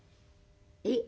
えっ？